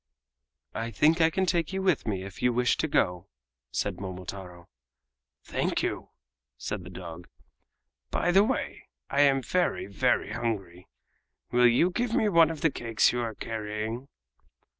"I think I can take you with me if you wish to go," said Momotaro. "Thank you!" said the dog. "By the way, I am very very hungry. Will you give me one of the cakes you are carrying?"